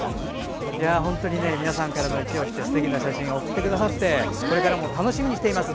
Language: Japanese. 皆さんからすてきな写真を送ってくださってこれからも楽しみにしています。